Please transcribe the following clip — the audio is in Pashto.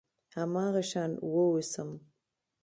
هماغه شان واوسم .